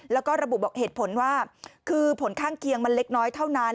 แล้วก็ระบุบอกเหตุผลว่าคือผลข้างเคียงมันเล็กน้อยเท่านั้น